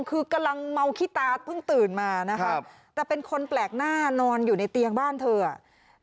คือกำลังเมาขี้ตาเพิ่งตื่นมานะครับแต่เป็นคนแปลกหน้านอนอยู่ในเตียงบ้านเธอ